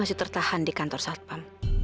masih tertahan di kantor saat pam